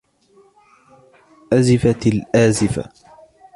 أَزِفَتِ الْآزِفَةُ